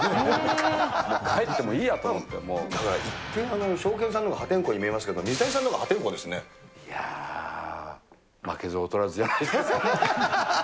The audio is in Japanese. もう帰ってもいいやと思って、一見、ショーケンさんのほうが破天荒に見えますけれども、水谷さんのほいやー、負けず劣らずじゃないですか。